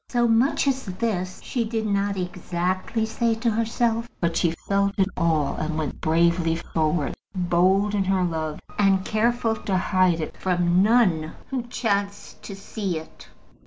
So much as this she did not exactly say to herself; but she felt it all, and went bravely forward, bold in her love, and careful to hide it from none who chanced to see it.